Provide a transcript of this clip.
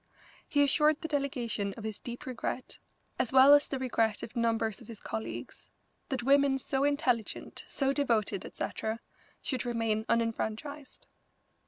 He assured the delegation of his deep regret, as well as the regret of numbers of his colleagues, that women so intelligent, so devoted, etc., should remain unenfranchised.